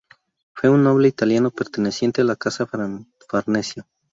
Fue un noble italiano perteneciente a la Casa Farnesio.